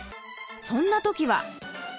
そんな時は。